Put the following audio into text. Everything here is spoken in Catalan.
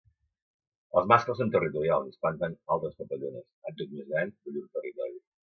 Els mascles són territorials i espanten altres papallones, àdhuc més grans, de llur territori.